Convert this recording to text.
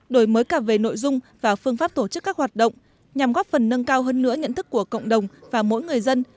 đổi mới cả về nội dung và phương pháp tổ chức các hoạt động nhằm góp phần nâng cao hơn nữa nhận thức của cộng đồng và mỗi người dân